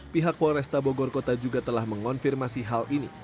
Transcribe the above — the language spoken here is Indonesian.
pihak polresta bogor kota juga telah mengonfirmasi hal ini